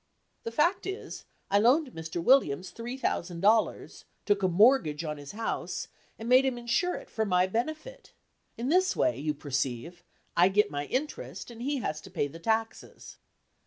The fact is, I loaned Mr. Williams three thousand dollars, took a mortgage on his house, and made him insure it for my benefit. In this way, you perceive, I get my interest, and he has to pay the taxes."